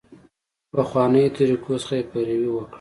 پخوانیو طریقو څخه یې پیروي وکړه.